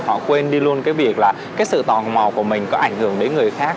họ quên đi luôn cái việc là cái sự tò mò của mình có ảnh hưởng đến người khác